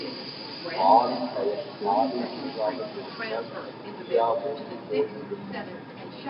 பாவிப் பயல் காதைத் திருகாமல் எழுப்பினால், அவன் குடியா முழுகிப் போய்விடும்?